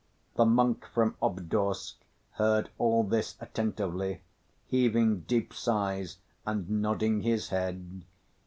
The monk from Obdorsk heard all this attentively, heaving deep sighs and nodding his head.